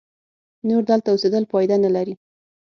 نور دلته اوسېدل پایده نه لري.